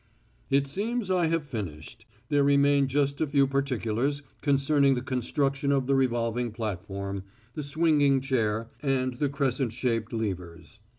"It seems I have finished.... There remain just a few particulars concerning the construction of the revolving platform, the swinging chair, and the crescent shaped levers.